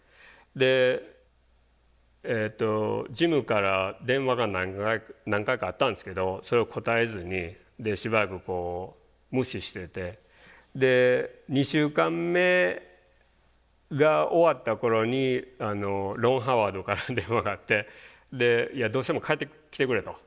でジムから電話が何回かあったんですけどそれを答えずにしばらく無視しててで２週間目が終わった頃にロン・ハワードから電話があってでいやどうしても帰ってきてくれと。